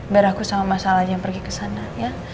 biar aku sama mas al yang pergi kesana ya